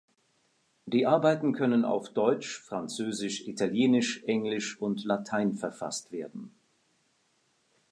Die Arbeiten können auf Deutsch, Französisch, Italienisch, Englisch und Latein verfasst werden.